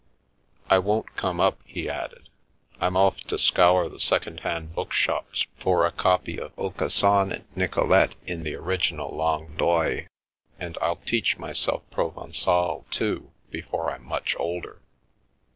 " I won't come up," he added, " I'm off to scour the second hand book shops for a copy of ' Aucassin and Nicolete ' in the original Langue d'Oil, and I'll teach myself Provencal, too, before I'm much older."